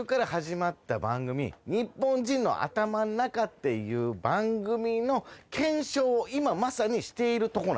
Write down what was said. これは。っていう番組の検証を今まさにしているとこなんですよ。